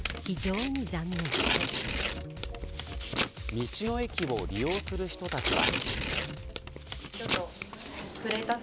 道の駅を利用する人たちは。